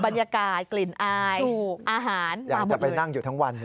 บรรยากาศกลิ่นอายอาหารอยากจะไปนั่งอยู่ทั้งวัน